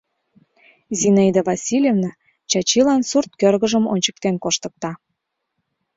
Зинаида Васильевна Чачилан сурт кӧргыжым ончыктен коштыкта.